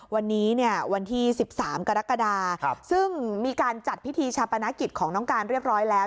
วันนี้เนี่ยวันที่๑๓กรกฎาซึ่งมีการจัดพิธีชาปนกิจของน้องการเรียบร้อยแล้ว